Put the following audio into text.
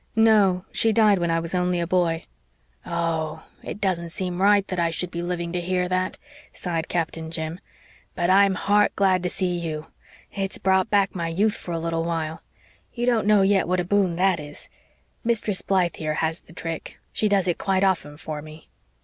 "No, she died when I was only a boy." "Oh, it doesn't seem right that I should be living to hear that," sighed Captain Jim. "But I'm heart glad to see you. It's brought back my youth for a little while. You don't know yet what a boon THAT is. Mistress Blythe here has the trick she does it quite often for me."